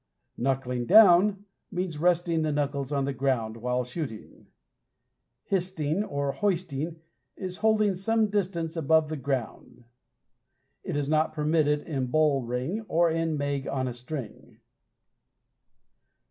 Knuckling Down means resting the knuckles on the ground while shooting. Histing or Hoisting is holding some distance above the ground. It is not permitted in Bull Ring or in Meg on a string.